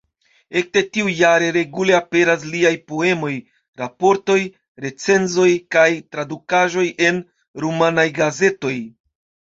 Ekde tiu jare regule aperas liaj poemoj, raportoj, recenzoj kaj tradukaĵoj en rumanaj gazetoj.